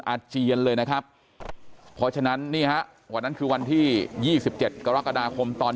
อาเจียนเลยนะครับเพราะฉะนั้นนี่ฮะวันนั้นคือวันที่๒๗กรกฎาคมตอน